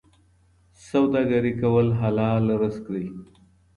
سوداګري کول حلال رزق دی.